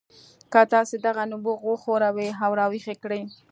که تاسې دغه نبوغ وښوروئ او راویښ یې کړئ